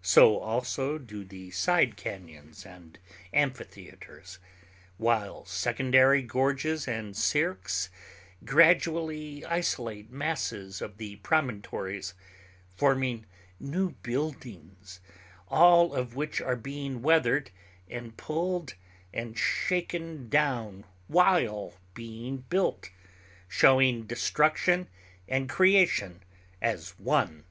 So also do the side cañons and amphitheaters, while secondary gorges and cirques gradually isolate masses of the promontories, forming new buildings, all of which are being weathered and pulled and shaken down while being built, showing destruction and creation as one.